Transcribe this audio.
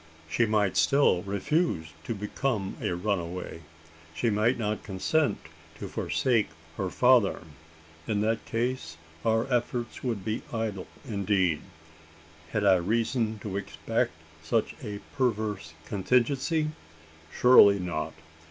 She might still refuse to become a runaway? She might not consent to forsake her father? In that case, our efforts would be idle indeed! Had I reason to expect such a perverse contingency? Surely not?